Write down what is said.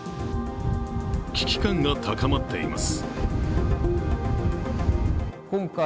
危機感が高まっています。